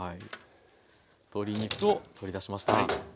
鶏肉を取り出しました。